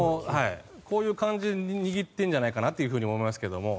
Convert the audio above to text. こういう感じで握っているんじゃないかなと思いますが。